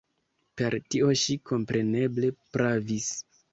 Per tio ŝi kompreneble pravis.